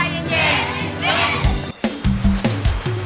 เย็น